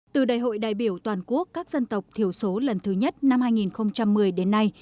từ đại hội đại biểu toàn quốc các dân tộc thiểu số lần thứ nhất năm hai nghìn một mươi đến nay